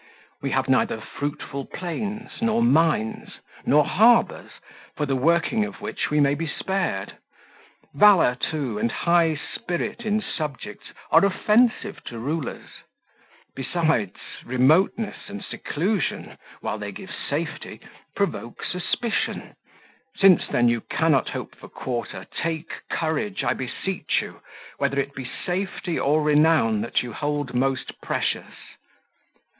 We have neither fruitful plains, nor mines, nor harbours, for the working of which we may be spared. Valour, too, and high spirit in subjects, are offensive to rulers; besides, remoteness and seclusion, while they give safety, provoke suspicion. Since then you cannot hope for quarter, take courage, I beseech you, whether it be safety or renown that you hold most precious.